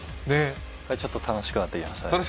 ちょっと楽しくなってきましたね。